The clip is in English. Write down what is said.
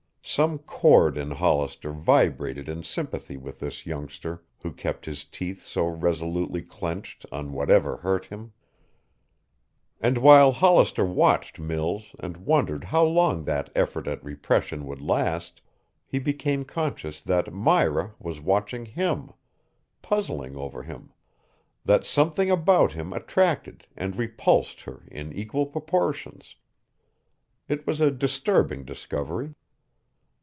Some chord in Hollister vibrated in sympathy with this youngster who kept his teeth so resolutely clenched on whatever hurt him. And while Hollister watched Mills and wondered how long that effort at repression would last, he became conscious that Myra was watching him, puzzling over him; that something about him attracted and repulsed her in equal proportions. It was a disturbing discovery.